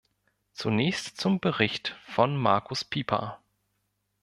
Zunächst zum Bericht von Markus Pieper.